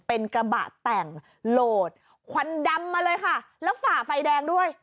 เป็นกระบะแต่งโหลดควันดำมาเลยค่ะแล้วฝ่าไฟแดงด้วย